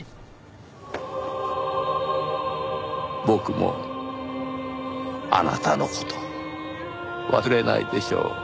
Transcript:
僕もあなたの事を忘れないでしょう。